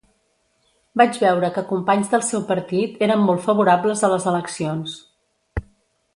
Vaig veure que companys del seu partit eren molt favorables a les eleccions.